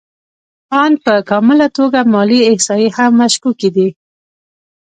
آن په کامله توګه مالي احصایې هم مشکوکې دي